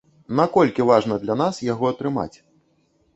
Наколькі важна для нас яго атрымаць?